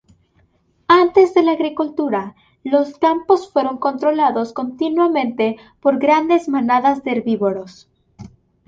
Antes de la agricultura, los campos fueron controlados continuamente por grandes manadas de herbívoros.